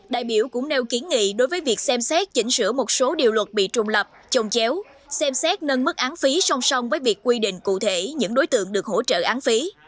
đại biểu cũng nêu kiến nghị đối với việc xem xét chỉnh sửa một số điều luật bị trùng lập trồng chéo xem xét nâng mức án phí song song với việc quy định cụ thể những đối tượng được hỗ trợ án phí